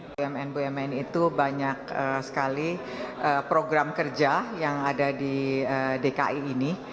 bumn bumn itu banyak sekali program kerja yang ada di dki ini